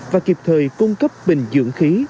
và kịp thời cung cấp bình dưỡng khí